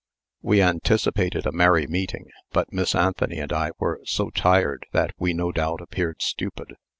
We anticipated a merry meeting, but Miss Anthony and I were so tired that we no doubt appeared stupid.